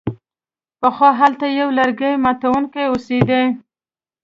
پخوا هلته یو لرګي ماتوونکی اوسیده.